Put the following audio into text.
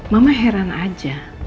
mama heran aja